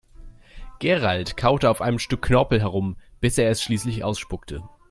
Gerald kaute auf einem Stück Knorpel herum, bis er es schließlich ausspuckte.